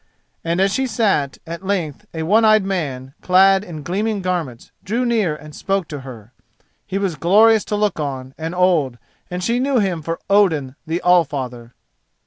And as she sat, at length a one eyed man, clad in gleaming garments, drew near and spoke to her. He was glorious to look on, and old, and she knew him for Odin the Allfather.